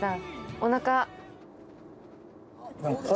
おなか？